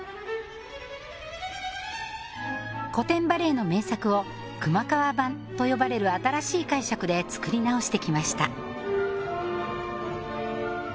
古典バレエの名作を「熊川版」と呼ばれる新しい解釈で作り直してきました